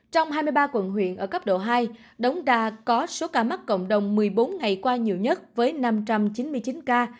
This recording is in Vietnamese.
trong hai mươi ba quận huyện ở cấp độ hai đống đa có số ca mắc cộng đồng một mươi bốn ngày qua nhiều nhất với năm trăm chín mươi chín ca